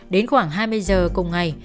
đến khoảng hai mươi h cùng ngày